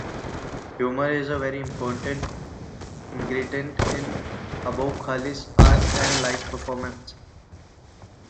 Humor is a very important ingredient in Abou-Khalil's art and live performances.